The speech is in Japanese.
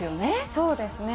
そうですね。